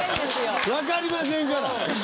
分かりませんから。